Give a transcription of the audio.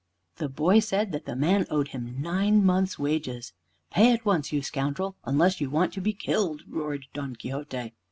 The boy said that the man owed him nine months' wages. "Pay at once, you scoundrel, unless you want to be killed," roared Don Quixote.